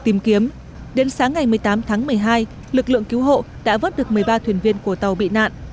tìm kiếm đến sáng ngày một mươi tám tháng một mươi hai lực lượng cứu hộ đã vớt được một mươi ba thuyền viên của tàu bị nạn